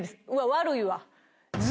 悪いわ。